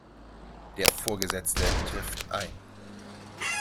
Der Vorgesetzte trifft ein.